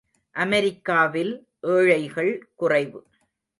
அமெரிக்காவில் ஏழைகள் குறைவு.